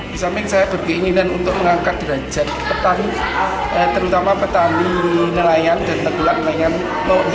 disamping saya berkeinginan untuk mengangkat derajat petani terutama petani nelayan dan nebulan nelayan